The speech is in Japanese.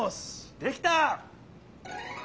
できた！